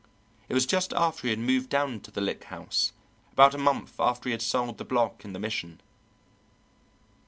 It was just after he had moved down to the Lick House, about a month after he had sold the block in the Mission.